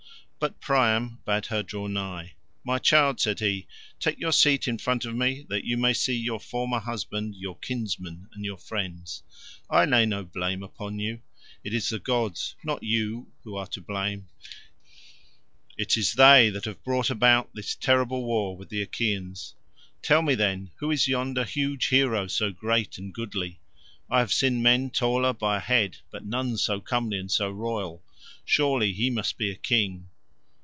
But Priam bade her draw nigh. "My child," said he, "take your seat in front of me that you may see your former husband, your kinsmen and your friends. I lay no blame upon you, it is the gods, not you who are to blame. It is they that have brought about this terrible war with the Achaeans. Tell me, then, who is yonder huge hero so great and goodly? I have seen men taller by a head, but none so comely and so royal. Surely he must be a king."